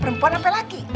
perempuan apa laki